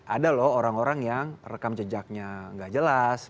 ada loh orang orang yang rekam jejaknya nggak jelas